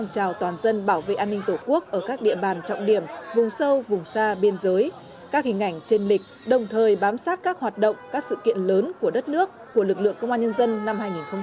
cảm giác các hoạt động các sự kiện lớn của đất nước của lực lượng công an nhân dân năm hai nghìn hai mươi ba